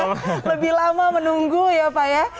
lebih lama menunggu ya pak ya